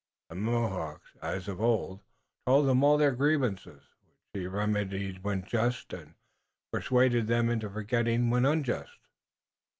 The Mohawks, as of old, told him all their grievances, which he remedied when just, and persuaded them into forgetting when unjust.